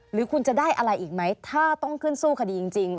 หรือคุณจะได้อะไรอีกไหมถ้าต้องขึ้นสู้คดีจริง